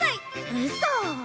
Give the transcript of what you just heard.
ウソ。